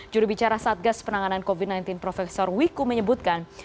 jurubicara satgas penanganan covid sembilan belas prof wiku menyebutkan